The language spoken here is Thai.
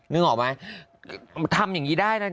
นึกออกไหมทำอย่างนี้ได้นะ